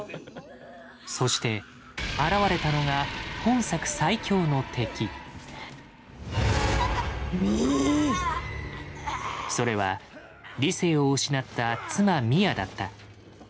そして現れたのが本作それは理性を失った妻・ミアだった。